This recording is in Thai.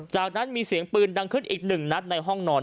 จากนั้นมีเสียงปืนดังขึ้นอีกหนึ่งนัดในห้องนอน